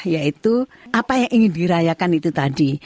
yaitu apa yang ingin dirayakan itu tadi